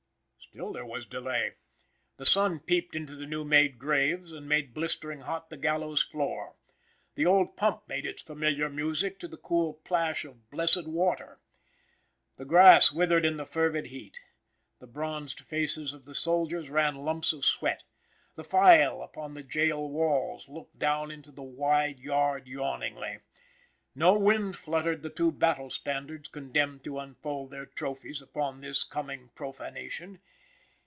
Still there was delay. The sun peeped into the new made graves and made blistering hot the gallows' floor. The old pump made its familiar music to the cool plash of blessed water. The grass withered in the fervid heat. The bronzed faces of the soldiers ran lumps of sweat. The file upon the jail walls looked down into the wide yard yawningly. No wind fluttered the two battle standards condemned to unfold their trophies upon this coming profanation.